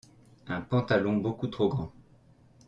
un pantalon beaucoup trop grand.